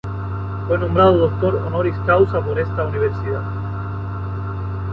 Fue nombrado Doctor Honoris Causa por esta Universidad.